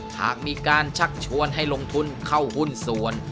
หากมีการชักชวนให้ลงทุนเข้าหุ้นส่วน